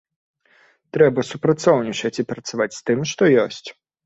Трэба супрацоўнічаць і працаваць з тым, што ёсць.